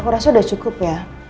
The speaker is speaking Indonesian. aku rasa sudah cukup ya